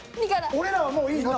俺らはもういいの？